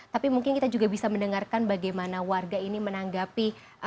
tapi mungkin kita juga bisa mendengarkan bagaimana warga ini menanggapi